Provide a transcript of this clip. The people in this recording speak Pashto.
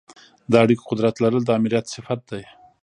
د اړیکو قدرت لرل د آمریت صفت دی.